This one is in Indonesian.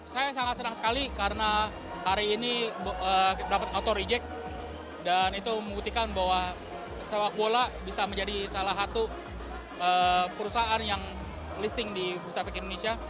saya sangat senang sekali karena hari ini dapat auto reject dan itu membuktikan bahwa sepak bola bisa menjadi salah satu perusahaan yang listing di bursa efek indonesia